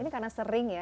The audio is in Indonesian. ini karena sering ya